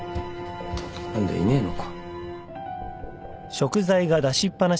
何だいねえのか。